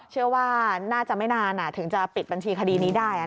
เชื่อว่าน่าจะไม่นานถึงจะปิดบัญชีคดีนี้ได้